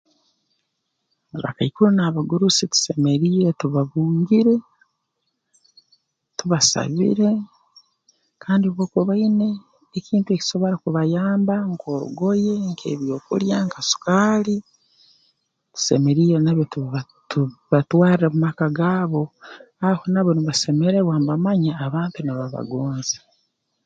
Abakaikuru n'abagurusi tusemeriire tubabungire tubasabire kandi obu bakuba baine ekintu ekisobora kubayamba nk'orugoye nk'ebyokulya nka sukaali tusemeriire nabyo tubiba tubibatwarre mu maka gaabo aho nabo nibasemererwa nibamanya abantu nibabagonza